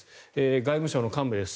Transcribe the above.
外務省の幹部です。